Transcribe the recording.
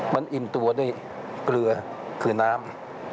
มันอิ่มตัวด้วยเกลือคือน้ำ